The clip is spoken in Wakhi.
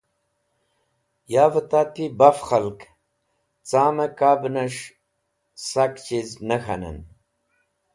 Yavẽ tati baf khalg, camẽ kabnes̃h sak chiz ne k̃hanẽn.